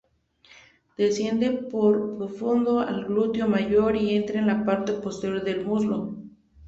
Desciende por profundo al glúteo mayor, y entra en la parte posterior del muslo.